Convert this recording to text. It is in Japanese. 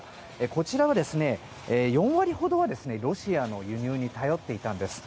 こちらは４割ほどをロシアからの輸入に頼っていたんです。